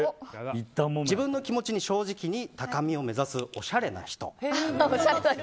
自分の気持ちに正直に高みを目指すおしゃれな人。